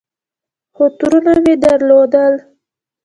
خو ترونه مې درلودل.